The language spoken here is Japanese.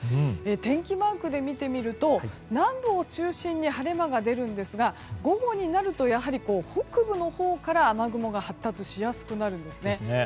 天気マークで見てみると南部を中心に晴れ間が出ますが午後になると、北部のほうから雨雲が発達しやすくなります。